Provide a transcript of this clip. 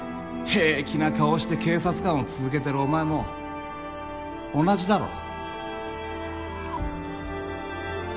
平気な顔して警察官を続けてるお前も同じだろ？